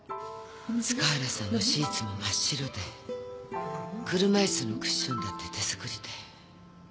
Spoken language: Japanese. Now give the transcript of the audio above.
塚原さんのシーツも真っ白で車椅子のクッションだって手作りで。